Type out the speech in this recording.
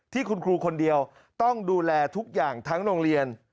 ที่คุณครูคนเดียวต้องดูแลทุกอย่างทั้งโรงเรียน